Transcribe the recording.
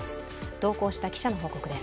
同行した記者の報告です。